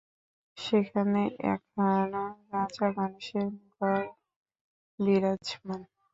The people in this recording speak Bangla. সেখানে এখনো রাজা গণেশের গড় বিরাজমান।